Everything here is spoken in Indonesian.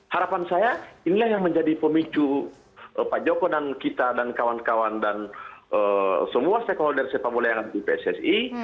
harapan saya inilah yang menjadi pemicu pak joko dan kita dan kawan kawan dan semua stakeholder sepak bola yang ada di pssi